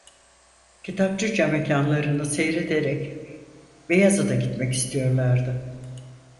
Kitapçı camekânlarını seyrederek Beyazıt’a gitmek istiyorlardı.